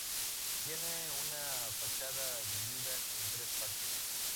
Tiene una fachada dividida en tres partes.